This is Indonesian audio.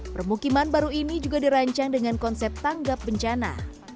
permukiman baru ini juga dirancang dengan konsep tanggap bencana